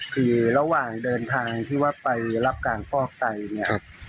คือระหว่างเดินทางที่ว่าไปรับการฟอกไตเนี่ย